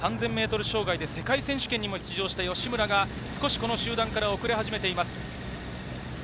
１年生の時には３０００ｍ世界選手権にも出場した吉村が少しこの集団から遅れ始めています。